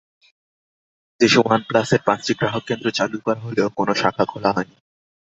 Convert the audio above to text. দেশে ওয়ানপ্লাসের পাঁচটি গ্রাহকসেবা কেন্দ্র চালু করা হলেও কোনো শাখা খোলা হয়নি।